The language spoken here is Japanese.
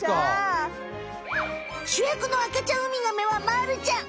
しゅやくの赤ちゃんウミガメはまるちゃん。